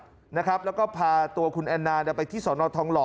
แสดงหมายจับแล้วก็พาคุณแอนนาไปที่สรณทรทองหล่อ